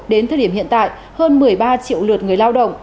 đến thời điểm hiện tại hơn một mươi ba triệu lượt người lao động